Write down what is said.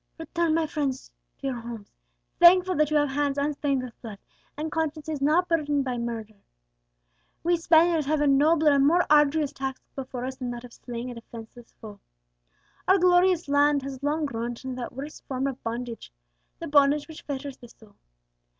"Return, my brave friends, to your homes, thankful that you have hands unstained with blood, and consciences not burdened by murder. We Spaniards have a nobler and more arduous task before us than that of slaying a defenceless foe. Our glorious land has long groaned under that worst form of bondage the bondage which fetters the soul.